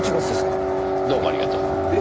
どうもありがとう。え？